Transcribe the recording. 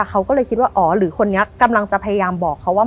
เขาก็เลยคิดว่าอ๋อหรือคนนี้กำลังจะพยายามบอกเขาว่า